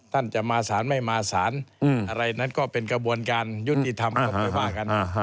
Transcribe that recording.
ท่านจะมาสารไม่มาสารอะไรนั้นก็เป็นกระบวนการยุติธรรมก็ไม่ว่ากัน